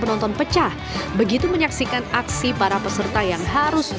menariknya itiknya lari ke sana ke sini lomba lomba sangat